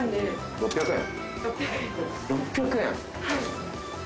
６００円。